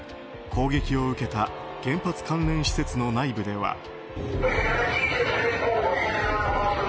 攻撃を受けた原発関連施設の内部では。